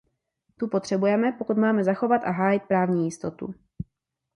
Tu potřebujeme, pokud máme zachovat a hájit právní jistotu.